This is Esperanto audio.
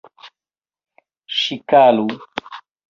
Ŝikalu!